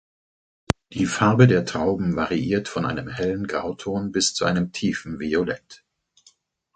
Die Farbe der Trauben variiert von einem hellen Grauton bis zu einem tiefen Violett.